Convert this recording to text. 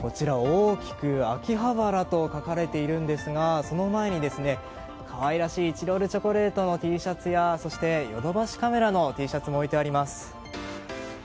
こちら、大きく秋葉原と書かれているんですがその前に、可愛らしいチロルチョコレートのＴシャツやそして、ヨドバシカメラのＴシャツも置いてあります。